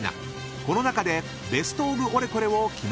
［この中でベストオブオレコレを決めていただきます］